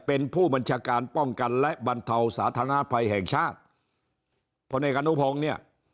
เป็นผู้บัญชาการป้องกันและบรรเทาสาธารณภัยแห่งชาติพลเอกอนุพงศ์เนี่ย